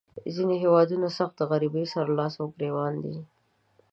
ځینې هیوادونه سخت د غریبۍ سره لاس او ګریوان دي.